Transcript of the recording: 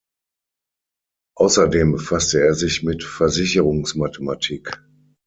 Außerdem befasste er sich mit Versicherungsmathematik.